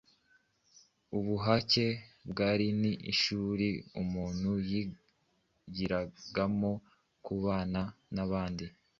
Ubuhake bwari ni ishuri umuntu yigiragamo kubana n'abandi